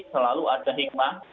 selalu ada hikmah